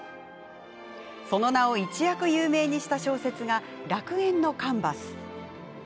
その名を一躍有名にした小説が「楽園のカンヴァス」。